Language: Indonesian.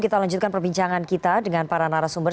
kita lanjutkan perbincangan kita dengan para narasumber